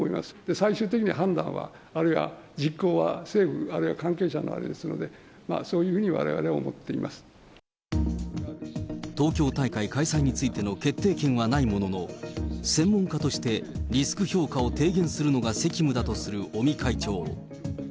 最終的な判断は、あるいは実行は、政府、あるいは関係者のあれですので、そういうふうにわれわれは思って東京大会開催についての決定権はないものの、専門家としてリスク評価を提言するのが責務だとする尾身会長。